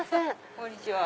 こんにちは。